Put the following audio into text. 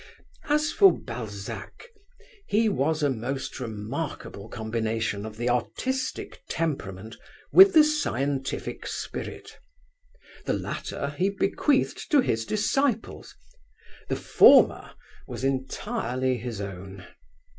As for Balzac, he was a most remarkable combination of the artistic temperament with the scientific spirit. The latter he bequeathed to his disciples. The former was entirely his own.